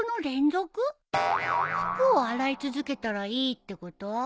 服を洗い続けたらいいってこと？